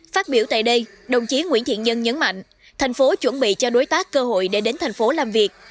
phát biểu tại đây đồng chí nguyễn thiện nhân nhấn mạnh tp hcm chuẩn bị cho đối tác cơ hội để đến tp hcm làm việc